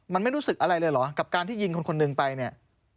มันไม่รู้สึกอะไรเลยเหรอกับการที่ยิงคนคนหนึ่งไปเนี่ย